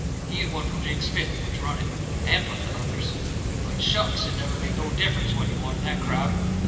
He had won from Jake Smith, which run it, and from the others. But shucks! it never made no difference what you won in that crowd.